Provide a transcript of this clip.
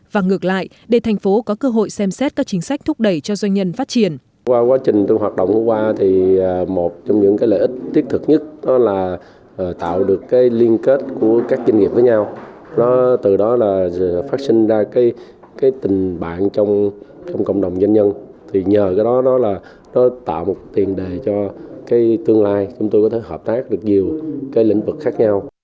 và ngược lại để thành phố có cơ hội xem xét các chính sách thúc đẩy cho doanh nhân phát triển